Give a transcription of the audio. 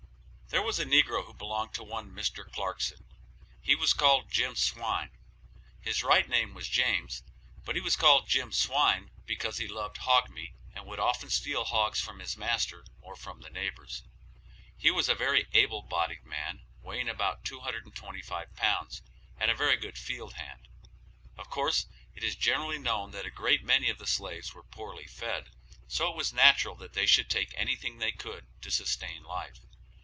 There was a negro who belonged to one Mr. Clarkson; he was called Jim Swine; his right name was James, but he was called Jim Swine because he loved hog meat and would often steal hogs from his master or from the neighbors; he was a very able bodied man, weighing about two hundred and twenty five pounds, and a very good field hand. Of course it is generally known that a great many of the slaves were poorly fed, so it was natural that they should take anything they could to sustain life.